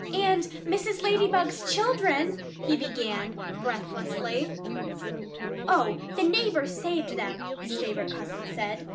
"And Mrs. Lady bug's children " he began breathlessly. "Oh! The neighbors saved them," his favorite cousin said.